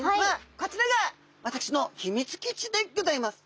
こちらが私のヒミツ基地でギョざいます。